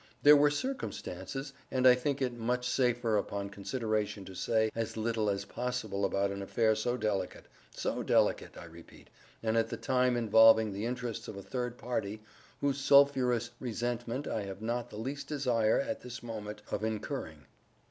There were circumstances—but I think it much safer upon consideration to say as little as possible about an affair so delicate—so delicate, I repeat, and at the time involving the interests of a third party whose sulphurous resentment I have not the least desire, at this moment, of incurring.